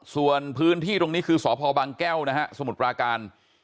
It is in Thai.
ส่วนพื้นที่ตรงนี้คือสพบางแก้วนะฮะสมุทรปราการ